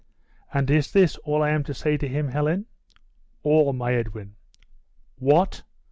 "And is this all I am to say to him, Helen?" "All, my Edwin." "What!